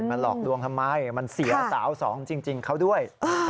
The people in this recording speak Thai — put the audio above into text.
มันหลอกลวงทำไมมันเสียสาวสองจริงเขาด้วย